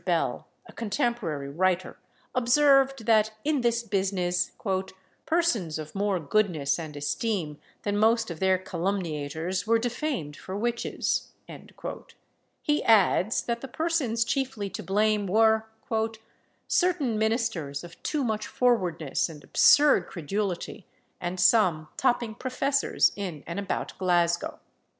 Bell, a contemporary writer, observed that, in this business, "persons of more goodness and esteem than most of their calumniators were defamed for witches." He adds, that the persons chiefly to blame were "certain ministers of too much forwardness and absurd credulity, and some topping professors in and about Glasgow."